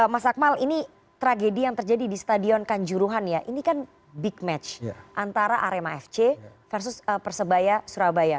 mas akmal ini tragedi yang terjadi di stadion kanjuruhan ya ini kan big match antara arema fc versus persebaya surabaya